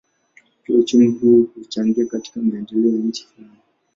Pia uchumi huo huchangia katika maendeleo ya nchi fulani.